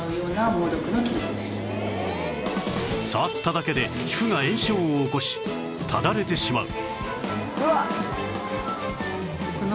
触っただけで皮膚が炎症を起こしただれてしまう